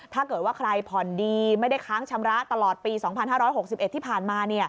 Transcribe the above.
ถ้าเกิดว่าใครผ่อนดีไม่ได้ค้างชำระตลอดปี๒๕๖๑ที่ผ่านมา